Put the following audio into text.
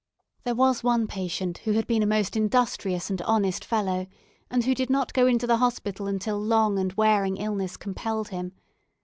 There was one patient who had been a most industrious and honest fellow, and who did not go into the hospital until long and wearing illness compelled him.